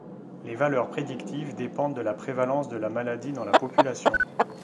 Les valeurs prédictives dépendent de la prévalence de la maladie dans la population.